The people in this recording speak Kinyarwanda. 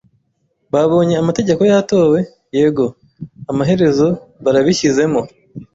"Babonye amategeko yatowe?" "Yego, amaherezo barabishyizemo."